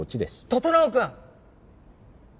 整君！